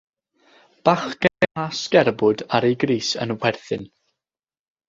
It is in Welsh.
Bachgen a sgerbwd ar ei grys yn chwerthin.